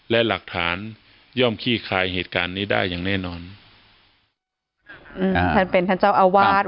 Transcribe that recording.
และหลักฐานย่อมขี้คายเหตุการณ์นี้ได้อย่างแน่นอนอืมท่านเป็นท่านเจ้าอาวาส